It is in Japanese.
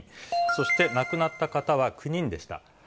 そして、亡くなった方は９人でした。